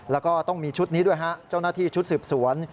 แล้วก็ต้องมีชุดนี้ด้วยฮะเจ้าหน้าที่ชุดสืบสวน